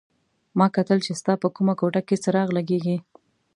ما کتل چې ستا په کومه کوټه کې څراغ لګېږي.